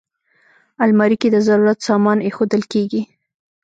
الماري کې د ضرورت سامان ایښودل کېږي